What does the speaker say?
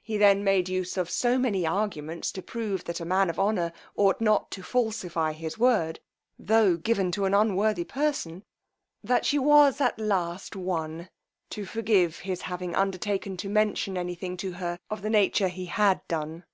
He then made use of so many arguments to prove, that a man of honour ought not to falsify his word, tho' given to an unworthy person, that she was at last won to forgive his having undertaken to mention any thing to her of the nature he had done.